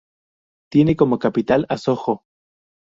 Tiene como capital a Sojo.